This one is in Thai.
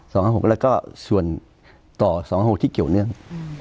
ห้าหกแล้วก็ส่วนต่อสองหกที่เกี่ยวเนื่อง